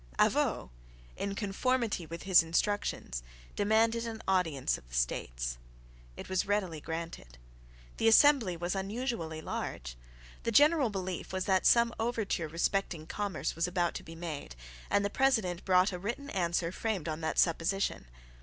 Avaux, in conformity with his instructions, demanded an audience of the States. It was readily granted. The assembly was unusually large. The general belief was that some overture respecting commerce was about to be made; and the President brought a written answer framed on that supposition.